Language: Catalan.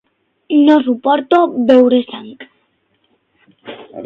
No suporto veure sang.